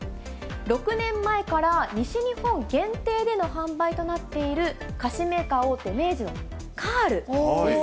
６年前から西日本限定での販売となっている、菓子メーカー大手、明治のカールです。